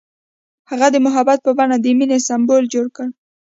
هغه د محبت په بڼه د مینې سمبول جوړ کړ.